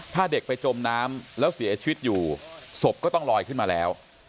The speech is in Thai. ถ้าเด็กไปจมน้ำแล้วเสียชีวิตอยู่ศพก็ต้องลอยขึ้นมาแล้ว